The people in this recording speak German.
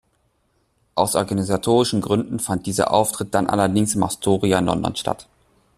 Aus organisatorischen Gründen fand dieser Auftritt dann allerdings im "Astoria" in London statt.